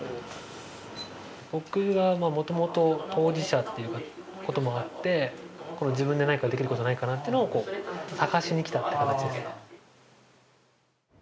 僕がまあもともと当事者っていうこともあって自分で何かできることないかなっていうのをこう探しに来たって形ですね。